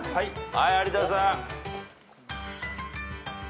はい有田さん。